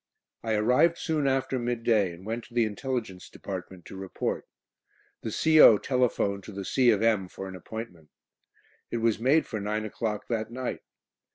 I arrived soon after midday, and went to the Intelligence Department to report; the C.O. telephoned to the C. of M. for an appointment. It was made for nine o'clock that night.